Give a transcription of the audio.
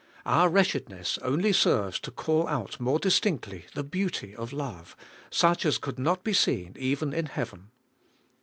Our wretchedness only serves to call out more distinctly the beauty of love, such as could not be seen even in Heaven.